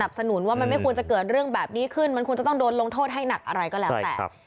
สนุนว่ามันไม่ควรจะเกิดเรื่องแบบนี้ขึ้นมันควรจะต้องโดนลงโทษให้หนักอะไรก็แล้วแต่